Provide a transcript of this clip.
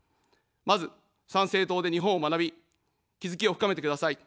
まず、参政党で日本を学び、気づきを深めてください。